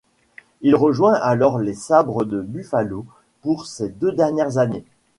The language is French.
Il rejoint alors les Sabres de Buffalo pour ses deux dernières années.